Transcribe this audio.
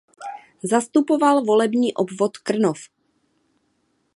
Zastupoval volební obvod Krnov.